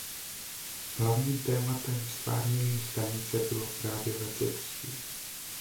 Hlavním tématem ztvárnění stanice bylo právě letectví.